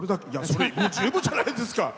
十分じゃないですか。